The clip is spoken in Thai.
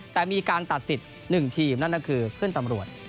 แต่มีการตัดสิทธิ์๑ทีมนั่นก็คือเพื่อนตำรวจ